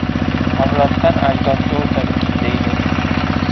Avloddan ajdodga o‘tadi, deydi.